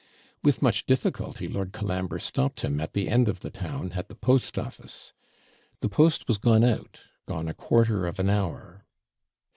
With much difficulty, Lord Colambre stopped him at the end of the town, at the post office. The post was gone out gone a quarter of an hour.